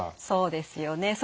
そうですよね。